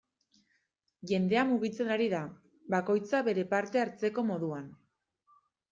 Jendea mugitzen ari da, bakoitza bere parte hartzeko moduan.